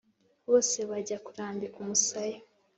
bose bajya kurambika umusaya.